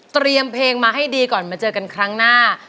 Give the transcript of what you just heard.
เตรียมเพลงมาให้ดีก่อนมาเจอกันครั้งหน้า